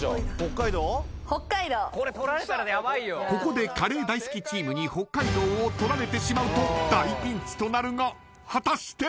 ［ここでカレー大好きチームに北海道を取られてしまうと大ピンチとなるが果たして！？］